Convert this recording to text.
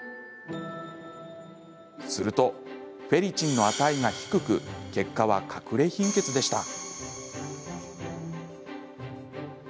すると、フェリチンの値が低く結果は、かくれ貧血でした。